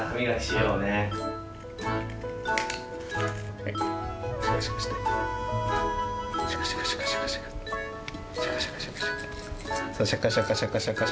そうシャカシャカシャカシャカシャカ。